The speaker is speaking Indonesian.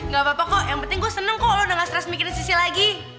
gak apa apa kok yang penting gue seneng kok lo udah gak stress mikirin sisil lagi